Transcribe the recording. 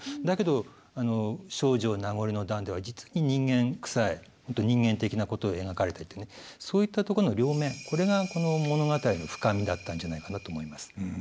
だけど「丞相名残の段」では実に人間くさいほんと人間的なこと描かれていてねそういったとこの両面これがこの物語の深みだったんじゃないかなと思います。